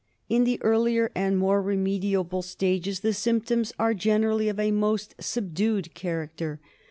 In the earlier and more remediable stages the symptoms are generally of a most subdued character.